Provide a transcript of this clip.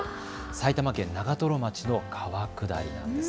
埼玉県長瀞町の川下りです。